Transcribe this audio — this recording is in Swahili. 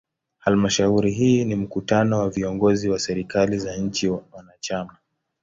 Halmashauri hii ni mkutano wa viongozi wa serikali za nchi wanachama.